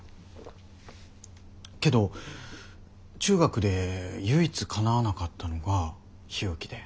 けど中学で唯一かなわなかったのが日置で。